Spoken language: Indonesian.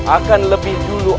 akan lebih dulu